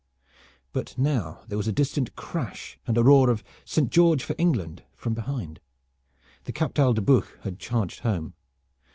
But now there was a distant crash and a roar of "Saint George for Guienne!" from behind. The Captal de Buch had charged home.